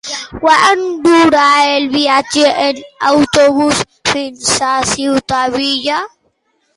Quant dura el viatge en autobús fins a Ciutadilla?